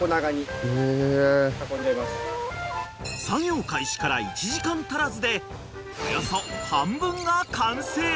［作業開始から１時間足らずでおよそ半分が完成］